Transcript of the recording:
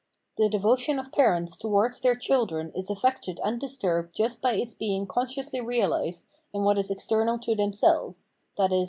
The devotion of parents towards their children is affected and disturbed just by its being consciously reahsed in what is external to themselves (viz.